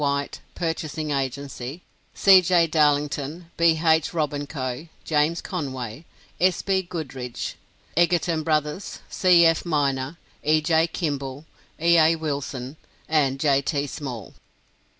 W. White, Purchasing Agency; C. J. Darlington; B. H. Robb & Co.; James Conway; S. B. Goodrich; Egerton Brothers; C. F. Miner; E. J. Kimball; E. A. Wilson; and J. T. Small.